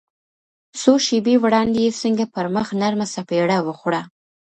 څو شېبې وړاندې يې څنګه پر مخ نرمه څپېړه وخوړه.